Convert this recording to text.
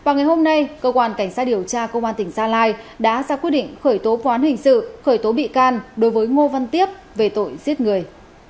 ngày hôm nay công an tỉnh gia lai đã ra quyết định khởi tố quán hình sự khởi tố bị can đối với ngô văn tiếp về tội giết người